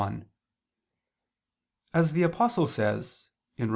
1: As the Apostle says (Rom.